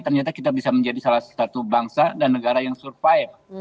ternyata kita bisa menjadi salah satu bangsa dan negara yang survive